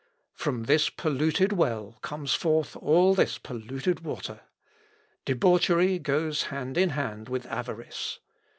From this polluted well comes forth all this polluted water. Debauchery goes hand in hand with avarice.